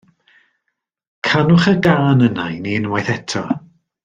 Canwch y gân yna i ni unwaith eto.